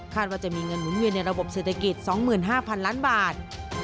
ว่าจะมีเงินหมุนเวียนในระบบเศรษฐกิจ๒๕๐๐๐ล้านบาท